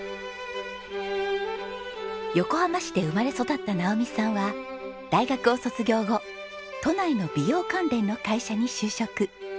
横浜市で生まれ育った直美さんは大学を卒業後都内の美容関連の会社に就職。